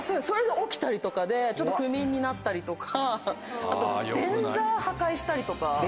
それで起きたりとかでちょっと不眠になったりとかあと便座を破壊したりとか。